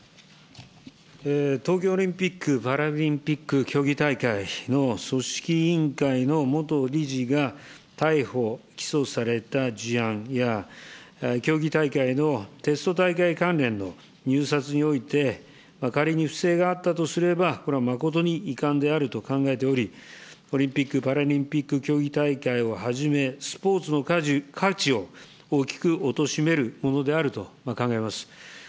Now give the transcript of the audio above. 東京オリンピック・パラリンピック競技大会の組織委員会の元理事が逮捕・起訴された事案や、競技大会のテスト大会関連の入札において、仮に不正があったとすれば、これは誠に遺憾であると考えており、オリンピック・パラリンピック競技大会をはじめ、スポーツの価値を大きくおとしめるものであると考えます。